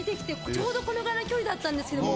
ちょうどこのぐらいの距離だったんですけども。